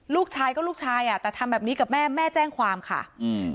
ลูกชายก็ลูกชายอ่ะแต่ทำแบบนี้กับแม่แม่แจ้งความค่ะอืม